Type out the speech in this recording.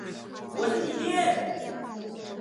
我是你爹！